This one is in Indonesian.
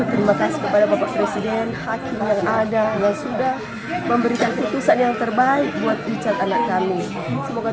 terima kasih atas dukungan anda